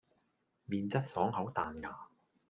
麵質爽口彈牙